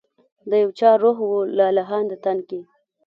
د یو چا روح و لا لهانده تن کي